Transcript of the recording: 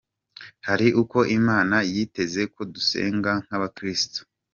Hari uko Imana yiteze ko dusenga nk'abakristo.